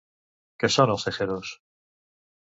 Què són els Tejeros?